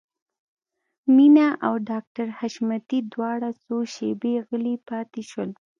مينه او ډاکټر حشمتي دواړه څو شېبې غلي پاتې شول.